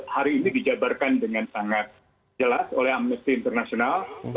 hari ini dijabarkan dengan sangat jelas oleh amnesty international